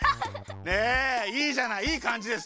ねえいいじゃないいいかんじです。